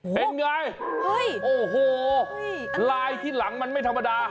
เป็นไงโอ้โหลายที่หลังมันไม่ธรรมดา